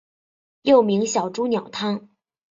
又名小朱鸟汤。